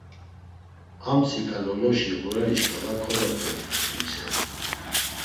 Amtsika Loloşi ğureri şǩala kodopxeditu him seri.